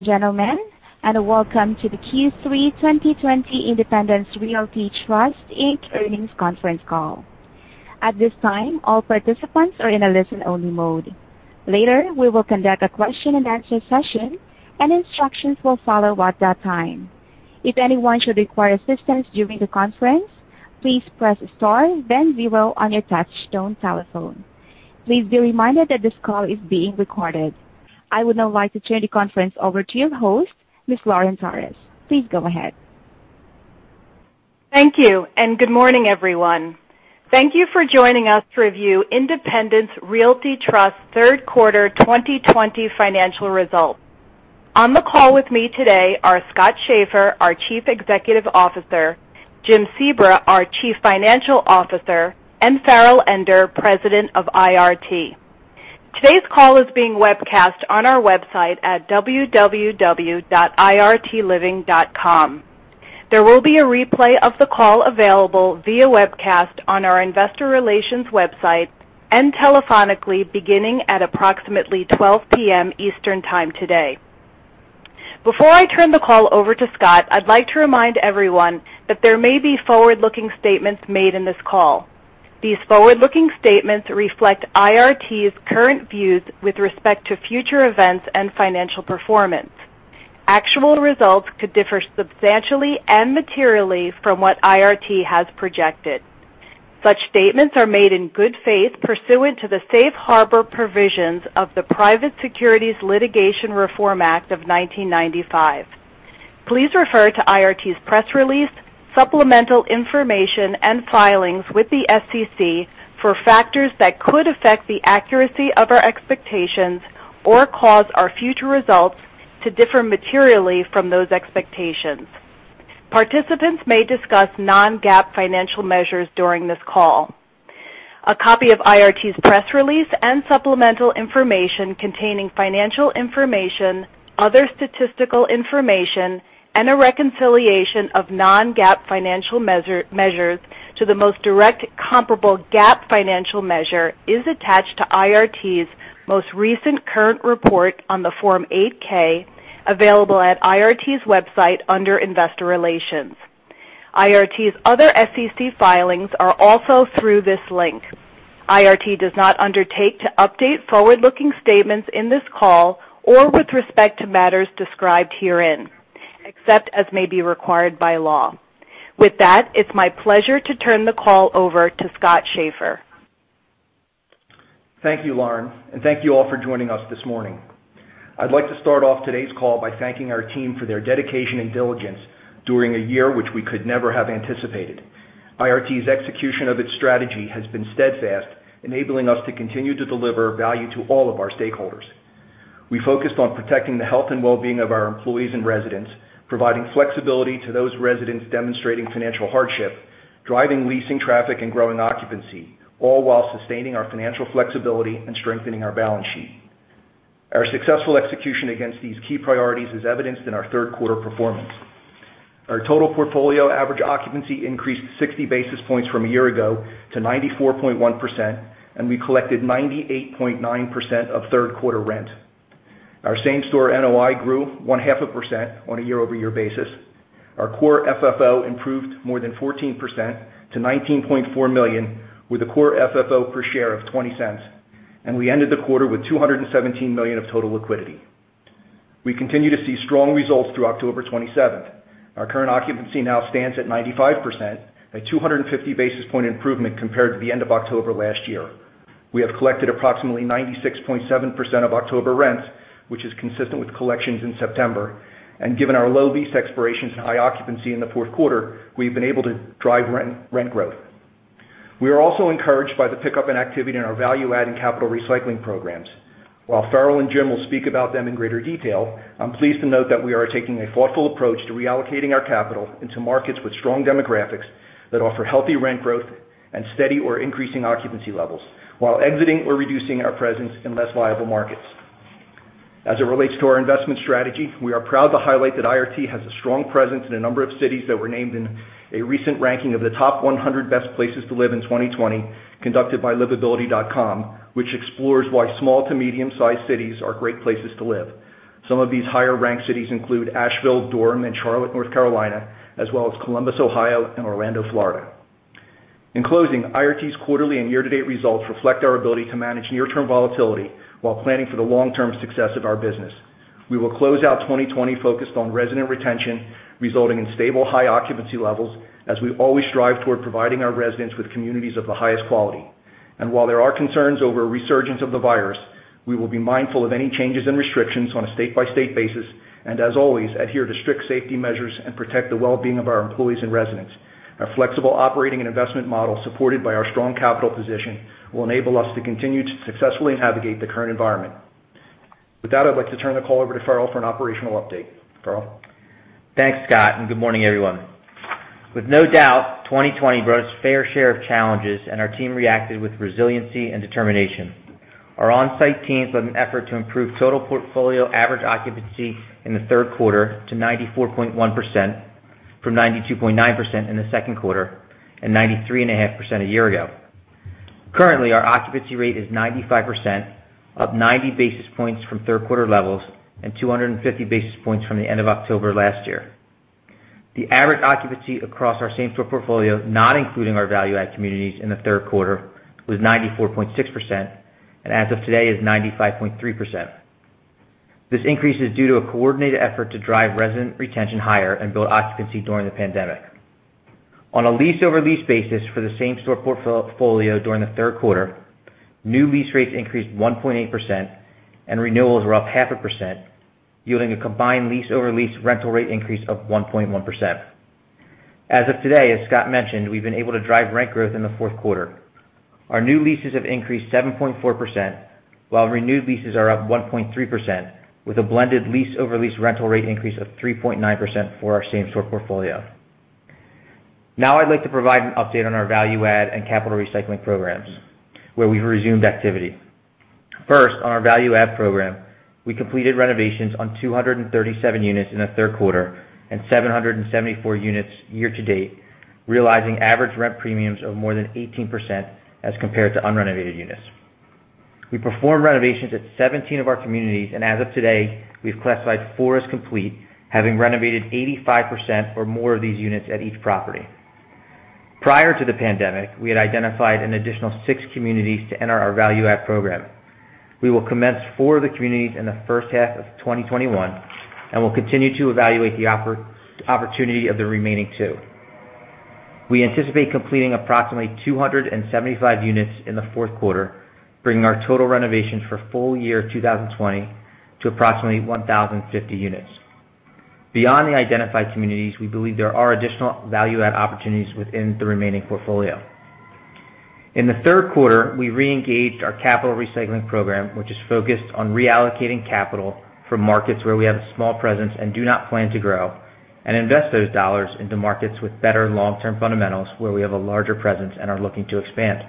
Gentlemen, welcome to the Q3 2020 Independence Realty Trust Inc. Earnings Conference Call. I would now like to turn the conference over to your host, Ms. Lauren Torres. Please go ahead. Thank you. Good morning, everyone. Thank you for joining us to review Independence Realty Trust third quarter 2020 financial results. On the call with me today are Scott Schaeffer, our Chief Executive Officer, Jim Sebra, our Chief Financial Officer, and Farrell Ender, President of IRT. Today's call is being webcast on our website at www.irtliving.com. There will be a replay of the call available via webcast on our investor relations website and telephonically beginning at approximately 12:00 P.M. Eastern Time today. Before I turn the call over to Scott, I'd like to remind everyone that there may be forward-looking statements made in this call. These forward-looking statements reflect IRT's current views with respect to future events and financial performance. Actual results could differ substantially and materially from what IRT has projected. Such statements are made in good faith pursuant to the safe harbor provisions of the Private Securities Litigation Reform Act of 1995. Please refer to IRT's press release, supplemental information, and filings with the SEC for factors that could affect the accuracy of our expectations or cause our future results to differ materially from those expectations. Participants may discuss non-GAAP financial measures during this call. A copy of IRT's press release and supplemental information containing financial information, other statistical information, and a reconciliation of non-GAAP financial measures to the most direct comparable GAAP financial measure is attached to IRT's most recent current report on the Form 8-K available at IRT's website under investor relations. IRT's other SEC filings are also through this link. IRT does not undertake to update forward-looking statements in this call or with respect to matters described herein, except as may be required by law. With that, it's my pleasure to turn the call over to Scott Schaeffer. Thank you, Lauren, and thank you all for joining us this morning. I'd like to start off today's call by thanking our team for their dedication and diligence during a year which we could never have anticipated. IRT's execution of its strategy has been steadfast, enabling us to continue to deliver value to all of our stakeholders. We focused on protecting the health and well-being of our employees and residents, providing flexibility to those residents demonstrating financial hardship, driving leasing traffic, and growing occupancy, all while sustaining our financial flexibility and strengthening our balance sheet. Our successful execution against these key priorities is evidenced in our third quarter performance. Our total portfolio average occupancy increased 60 basis points from a year ago to 94.1%, and we collected 98.9% of third quarter rent. Our same-store NOI grew one-half a percent on a year-over-year basis. Our core FFO improved more than 14% to $19.4 million, with a core FFO per share of $0.20, and we ended the quarter with $217 million of total liquidity. We continue to see strong results through October 27th. Our current occupancy now stands at 95%, a 250 basis point improvement compared to the end of October last year. We have collected approximately 96.7% of October rent, which is consistent with collections in September, and given our low lease expirations and high occupancy in the fourth quarter, we've been able to drive rent growth. We are also encouraged by the pickup in activity in our value-adding capital recycling programs. While Farrell and Jim will speak about them in greater detail, I'm pleased to note that we are taking a thoughtful approach to reallocating our capital into markets with strong demographics that offer healthy rent growth and steady or increasing occupancy levels while exiting or reducing our presence in less viable markets. As it relates to our investment strategy, we are proud to highlight that IRT has a strong presence in a number of cities that were named in a recent ranking of the top 100 best places to live in 2020 conducted by livability.com, which explores why small to medium-sized cities are great places to live. Some of these higher-ranked cities include Asheville, Durham, and Charlotte, North Carolina, as well as Columbus, Ohio, and Orlando, Florida. In closing, IRT's quarterly and year-to-date results reflect our ability to manage near-term volatility while planning for the long-term success of our business. We will close out 2020 focused on resident retention, resulting in stable high occupancy levels as we always strive toward providing our residents with communities of the highest quality. While there are concerns over a resurgence of the virus, we will be mindful of any changes in restrictions on a state-by-state basis and as always, adhere to strict safety measures and protect the well-being of our employees and residents. Our flexible operating and investment model, supported by our strong capital position, will enable us to continue to successfully navigate the current environment. With that, I'd like to turn the call over to Farrell for an operational update. Farrell? Thanks, Scott, and good morning, everyone. With no doubt, 2020 brought its fair share of challenges, and our team reacted with resiliency and determination. Our on-site teams led an effort to improve total portfolio average occupancy in the third quarter to 94.1%, from 92.9% in the second quarter and 93.5% a year ago. Currently, our occupancy rate is 95%, up 90 basis points from third quarter levels and 250 basis points from the end of October last year. The average occupancy across our same-store portfolio, not including our value add communities in the third quarter, was 94.6%, and as of today is 95.3%. This increase is due to a coordinated effort to drive resident retention higher and build occupancy during the pandemic. On a lease-over-lease basis for the same-store portfolio during the third quarter, new lease rates increased one point eight percent and renewals were up half a percent, yielding a combined lease-over-lease rental rate increase of one point one percent. As of today, as Scott mentioned, we've been able to drive rent growth in the fourth quarter. Our new leases have increased seven point four percent, while renewed leases are up one point three percent with a blended lease-over-lease rental rate increase of three point nine percent for our same-store portfolio. I'd like to provide an update on our value add and capital recycling programs, where we've resumed activity. First, on our value add program, we completed renovations on 237 units in the third quarter and 774 units year to date, realizing average rent premiums of more than 18% as compared to unrenovated units. We performed renovations at 17 of our communities, and as of today, we've classified four as complete, having renovated 85% or more of these units at each property. Prior to the pandemic, we had identified an additional six communities to enter our value add program. We will commence four of the communities in the first half of 2021, and we'll continue to evaluate the opportunity of the remaining two. We anticipate completing approximately 275 units in the fourth quarter, bringing our total renovations for full year 2020 to approximately 1,050 units. Beyond the identified communities, we believe there are additional value add opportunities within the remaining portfolio. In the third quarter, we re-engaged our capital recycling program, which is focused on reallocating capital from markets where we have a small presence and do not plan to grow, and invest those dollars into markets with better long-term fundamentals where we have a larger presence and are looking to expand.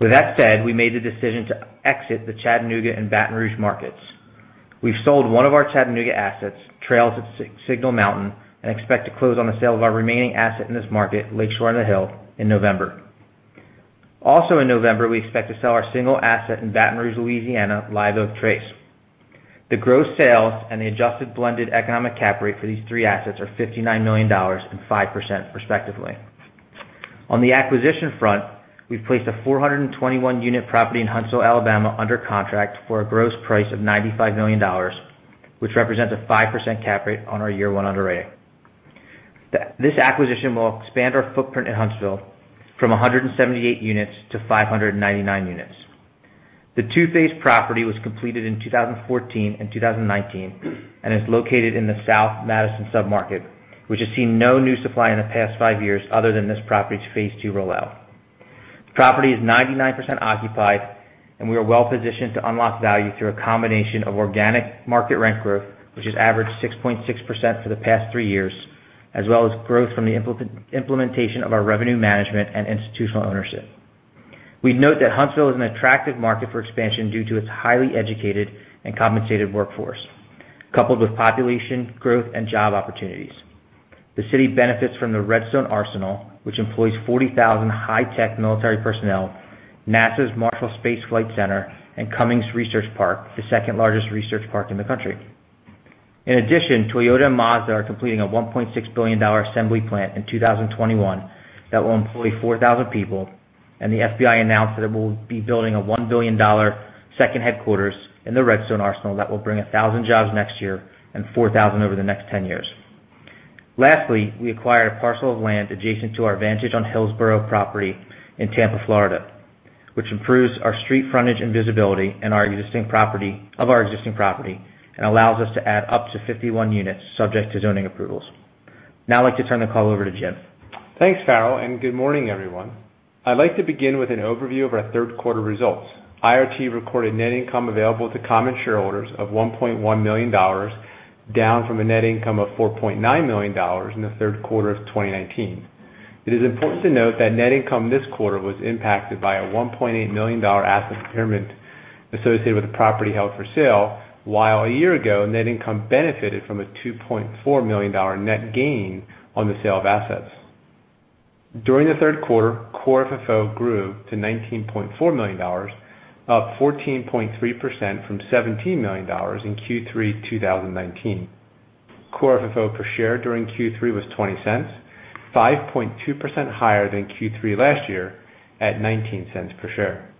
We made the decision to exit the Chattanooga and Baton Rouge markets. We've sold one of our Chattanooga assets, Trails of Signal Mountain, and expect to close on the sale of our remaining asset in this market, Lakeshore on the Hill, in November. In November, we expect to sell our single asset in Baton Rouge, Louisiana, Live Oak Trace. The gross sales and the adjusted blended economic cap rate for these three assets are $59 million and five percent respectively. On the acquisition front, we've placed a 421-unit property in Huntsville, AL under contract for a gross price of $95 million, which represents a five percent cap rate on our year one underwriting. This acquisition will expand our footprint in Huntsville from 178 units to 599 units. The two-phase property was completed in 2014 and 2019 and is located in the South Madison submarket, which has seen no new supply in the past five years other than this property's phase two rollout. The property is 99% occupied, and we are well positioned to unlock value through a combination of organic market rent growth, which has averaged six point six percent for the past three years, as well as growth from the implementation of our revenue management and institutional ownership. We note that Huntsville is an attractive market for expansion due to its highly educated and compensated workforce, coupled with population growth and job opportunities. The city benefits from the Redstone Arsenal, which employs 40,000 high-tech military personnel, NASA's Marshall Space Flight Center, and Cummings Research Park, the second-largest research park in the country. In addition, Toyota and Mazda are completing a $1.6 billion assembly plant in 2021 that will employ 4,000 people, and the FBI announced that it will be building a $1 billion second headquarters in the Redstone Arsenal that will bring 1,000 jobs next year and 4,000 over the next 10 years. Lastly, we acquired a parcel of land adjacent to our Vantage on Hillsborough property in Tampa, Florida, which improves our street frontage and visibility of our existing property and allows us to add up to 51 units subject to zoning approvals. Now I'd like to turn the call over to Jim. Thanks, Farrell, and good morning, everyone. I'd like to begin with an overview of our third quarter results. IRT recorded net income available to common shareholders of $1.1 million, down from a net income of $4.9 million in the third quarter of 2019. It is important to note that net income this quarter was impacted by a $1.8 million asset impairment associated with the property held for sale, while a year ago, net income benefited from a $2.4 million net gain on the sale of assets. During the third quarter, core FFO grew to $19.4 million, up 14.3% from $17 million in Q3 2019. Core FFO per share during Q3 was $0.20, five point two percent higher than Q3 last year at $0.19 per share.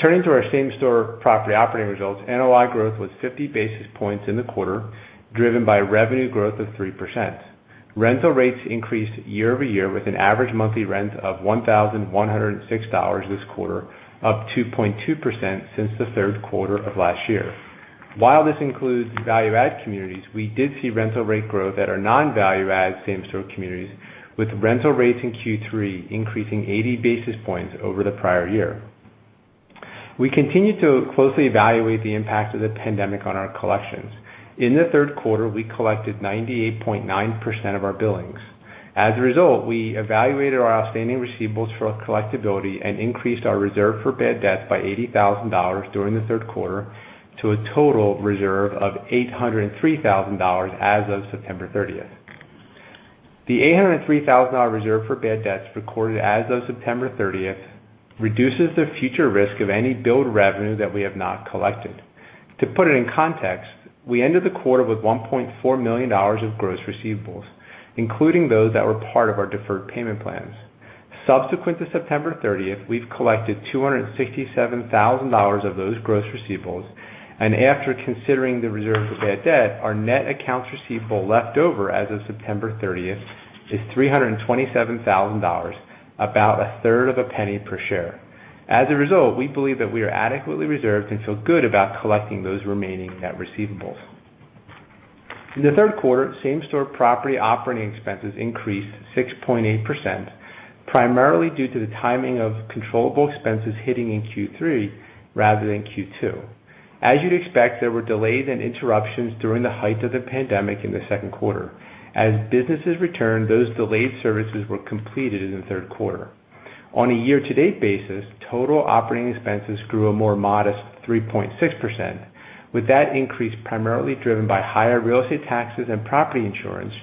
Turning to our same-store property operating results, NOI growth was 50 basis points in the quarter, driven by revenue growth of three percent. Rental rates increased year-over-year with an average monthly rent of $1,106 this quarter, up two point two percent since the third quarter of last year. While this includes the value add communities, we did see rental rate growth at our non-value add same-store communities, with rental rates in Q3 increasing 80 basis points over the prior year. We continue to closely evaluate the impact of the pandemic on our collections. In the third quarter, we collected 98.9% of our billings. As a result, we evaluated our outstanding receivables for collectibility and increased our reserve for bad debt by $80,000 during the third quarter to a total reserve of $803,000 as of September 30th. The $803,000 reserve for bad debts recorded as of September 30th reduces the future risk of any billed revenue that we have not collected. To put it in context, we ended the quarter with $1.4 million of gross receivables, including those that were part of our deferred payment plans. Subsequent to September 30th, we've collected $267,000 of those gross receivables, and after considering the reserve for bad debt, our net accounts receivable left over as of September 30th is $327,000, about a third of a penny per share. As a result, we believe that we are adequately reserved and feel good about collecting those remaining net receivables. In the third quarter, same-store property operating expenses increased six point eight percent, primarily due to the timing of controllable expenses hitting in Q3 rather than Q2. As you'd expect, there were delays and interruptions during the height of the pandemic in the second quarter. As businesses returned, those delayed services were completed in the third quarter. On a year-to-date basis, total operating expenses grew a more modest three point six percent, with that increase primarily driven by higher real estate taxes and property insurance,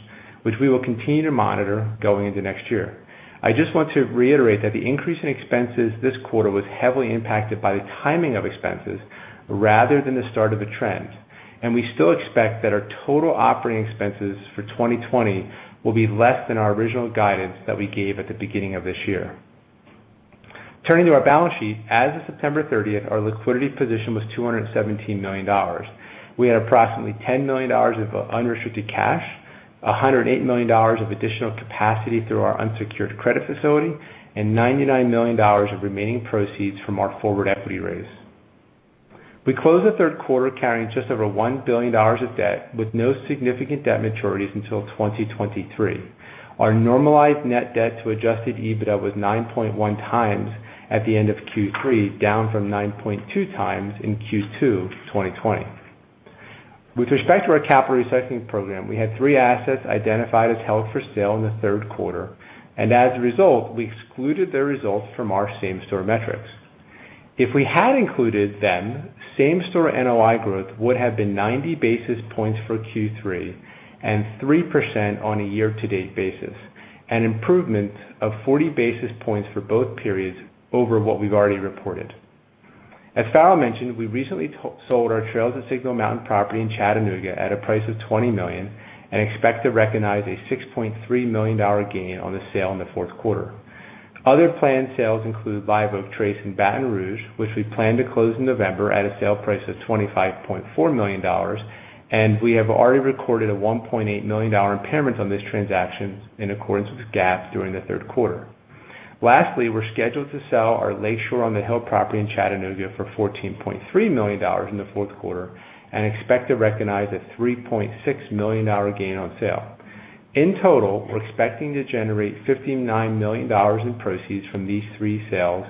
which we will continue to monitor going into next year. I just want to reiterate that the increase in expenses this quarter was heavily impacted by the timing of expenses rather than the start of a trend. We still expect that our total operating expenses for 2020 will be less than our original guidance that we gave at the beginning of this year. Turning to our balance sheet, as of September 30th, our liquidity position was $217 million. We had approximately $10 million of unrestricted cash, $108 million of additional capacity through our unsecured credit facility, and $99 million of remaining proceeds from our forward equity raise. We closed the third quarter carrying just over $1 billion of debt with no significant debt maturities until 2023. Our normalized net debt to adjusted EBITDA was nine point one times at the end of Q3, down from nine point two times in Q2 2020. With respect to our capital recycling program, we had three assets identified as held for sale in the third quarter, and as a result, we excluded their results from our same-store metrics. If we had included them, same-store NOI growth would have been 90 basis points for Q3 and three percent on a year-to-date basis, an improvement of 40 basis points for both periods over what we've already reported. As Farrell mentioned, we recently sold our Trails of Signal Mountain property in Chattanooga at a price of $20 million and expect to recognize a $6.3 million gain on the sale in the fourth quarter. Other planned sales include Live Oak Trace in Baton Rouge, which we plan to close in November at a sale price of $25.4 million, and we have already recorded a $1.8 million impairment on this transaction in accordance with GAAP during the third quarter. Lastly, we're scheduled to sell our Lakeshore on the Hill property in Chattanooga for $14.3 million in the fourth quarter and expect to recognize a $3.6 million gain on sale. In total, we're expecting to generate $59 million in proceeds from these three sales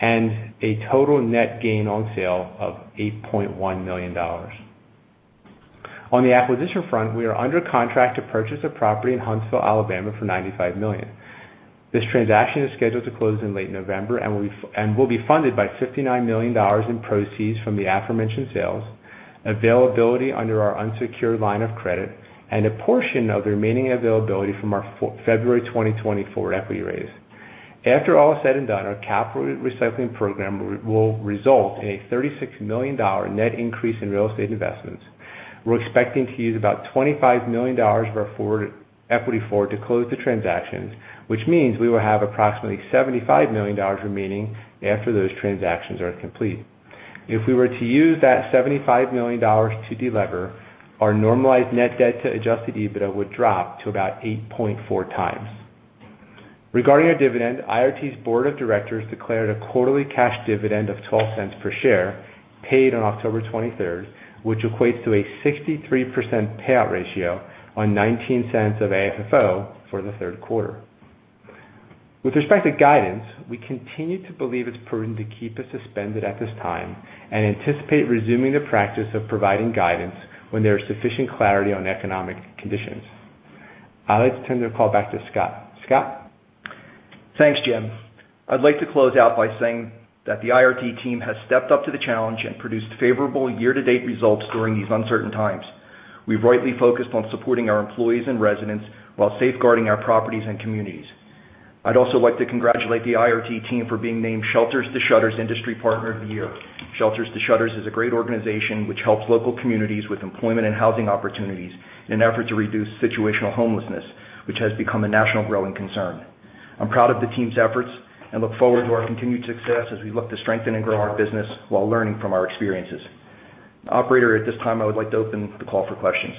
and a total net gain on sale of $8.1 million. On the acquisition front, we are under contract to purchase a property in Huntsville, Alabama for $95 million. This transaction is scheduled to close in late November and will be funded by $59 million in proceeds from the aforementioned sales, availability under our unsecured line of credit, and a portion of the remaining availability from our February 2020 forward equity raise. After all is said and done, our capital recycling program will result in a $36 million net increase in real estate investments. We're expecting to use about $25 million of our equity forward to close the transactions, which means we will have approximately $75 million remaining after those transactions are complete. If we were to use that $75 million to delever, our normalized net debt to adjusted EBITDA would drop to about eight point four times. Regarding our dividend, IRT's board of directors declared a quarterly cash dividend of $0.12 per share, paid on October 23rd, which equates to a 63% payout ratio on $0.19 of AFFO for the third quarter. With respect to guidance, we continue to believe it's prudent to keep it suspended at this time and anticipate resuming the practice of providing guidance when there is sufficient clarity on economic conditions. I'd like to turn the call back to Scott. Scott? Thanks, Jim. I'd like to close out by saying that the IRT team has stepped up to the challenge and produced favorable year-to-date results during these uncertain times. We've rightly focused on supporting our employees and residents while safeguarding our properties and communities. I'd also like to congratulate the IRT team for being named Shelters to Shutters Industry Partner of the Year. Shelters to Shutters is a great organization which helps local communities with employment and housing opportunities in an effort to reduce situational homelessness, which has become a national growing concern. I'm proud of the team's efforts and look forward to our continued success as we look to strengthen and grow our business while learning from our experiences. Operator, at this time, I would like to open the call for questions.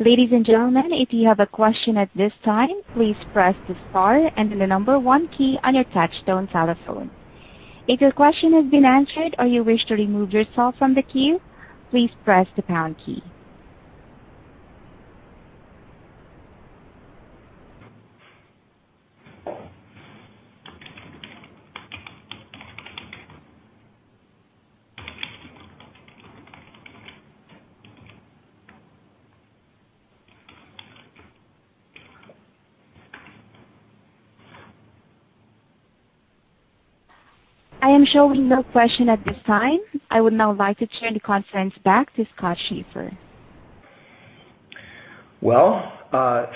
Ladies and gentlemen, if you have a question at this time, please press the star and the number one key on your touchtone telephone. If your question has been answered or you wish to remove yourself from the queue, please press the pound key. I am showing no question at this time. I would now like to turn the conference back to Scott Schaeffer.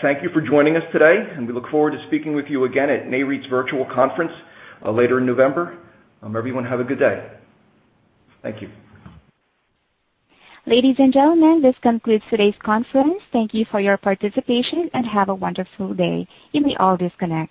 Thank you for joining us today, and we look forward to speaking with you again at Nareit's virtual conference later in November. Everyone have a good day. Thank you. Ladies and gentlemen, this concludes today's conference. Thank you for your participation, and have a wonderful day. You may all disconnect.